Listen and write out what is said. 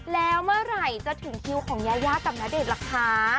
แล้วเมื่อไหร่จะถึงคิวของยายากับณเดชน์ล่ะคะ